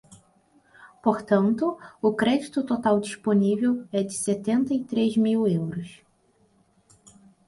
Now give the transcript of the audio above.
Portanto, o crédito total disponível é de setenta e três mil euros.